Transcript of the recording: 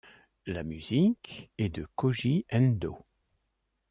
La musique est de Kōji Endō.